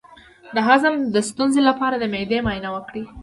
د هضم د ستونزې لپاره د معدې معاینه وکړئ